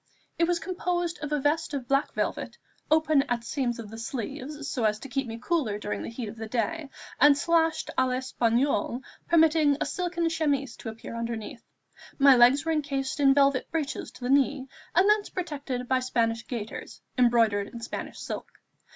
It was composed of a vest of black velvet, open at seams of the sleeves, so as to keep me cooler during the heat of the day, and slashed à l'Espagnole, permitting a silken chemise to appear underneath. My legs were encased in velvet breeches to the knee, and thence protected by Spanish gaiters, embroidered in Spanish silk.